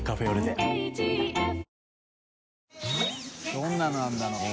どんなのなんだろう？